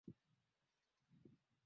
mienendo ya wale walioondolewa madarakani